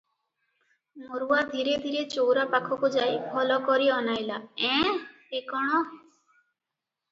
ମରୁଆ ଧୀରେ ଧୀରେ ଚଉରା ପାଖକୁ ଯାଇ ଭଲ କରି ଅନାଇଲା ଏଁ, ଏ କଣ?